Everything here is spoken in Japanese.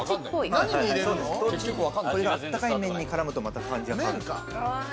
温かい麺に絡むとまた感じが変わる。